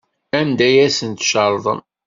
Anda ay asen-tcerḍem?